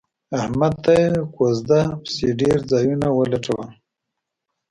احمد ته یې کوزده پسې ډېر ځایونه ولټول